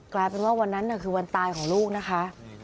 กลายเป็นว่าวันนั้นคือวันตายของลูกนะคะ